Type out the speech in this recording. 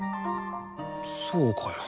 そうかよ。